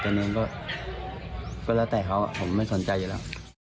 หนึ่งก็แล้วแต่เขาผมไม่สนใจอยู่แล้ว